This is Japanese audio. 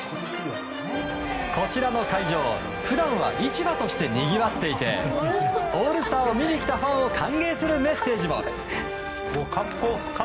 こちらの会場、普段は市場としてにぎわっていてオールスターを見に来たファンを歓迎するメッセージも。